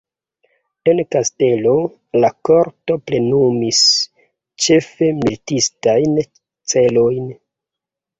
En kastelo, la korto plenumis ĉefe militistajn celojn.